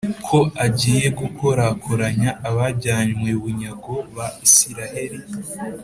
ko agiye gukorakoranya abajyanywe bunyago ba Israheli,